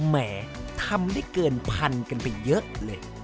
แหมทำได้เกินพันกันไปเยอะเลย